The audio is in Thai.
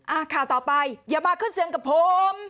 อ่าข่าวต่อไปอย่ามาขึ้นเสียงกับผม